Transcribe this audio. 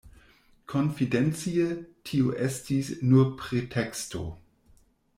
Konfidencie, tio estis nur preteksto.